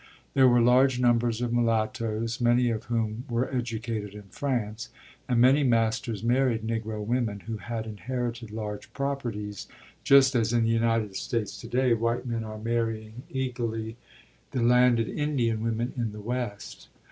There were large numbers of mulattoes, many of whom were educated in France, and many masters married Negro women who had inherited large properties, just as in the United States to day white men are marrying eagerly the landed Indian women in the West.